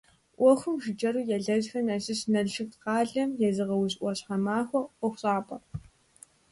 Ӏуэхум жыджэру елэжьхэм ящыщщ Налшык къалэм зезыгъэужь «ӏуащхьэмахуэ» ӀуэхущӀапӀэр.